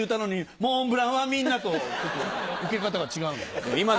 モンブランはみんなとウケ方が違うの？